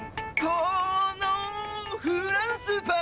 このフランスパン